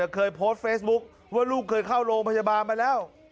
เคยโพสต์เฟซบุ๊คว่าลูกเคยเข้าโรงพยาบาลมาแล้ว